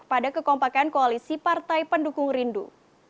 pada kekompakan koalisi partai pendukung rindu